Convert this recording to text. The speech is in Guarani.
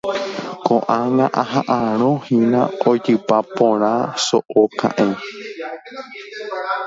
Ko'ág̃a aha'ãrõhína ojypa porã so'o ka'ẽ.